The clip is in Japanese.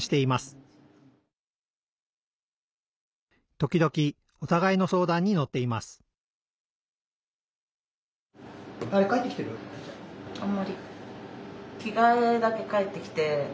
時々おたがいの相談に乗っていますあんまり。